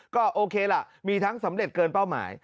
ก็โอเคล่ะมีทั้งสำเร็จเกินเป้าหมาย